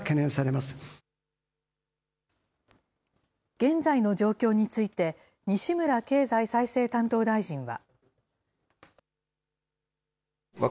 現在の状況について、西村経済再生担当大臣は。